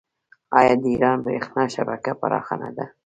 آیا د ایران بریښنا شبکه پراخه نه ده؟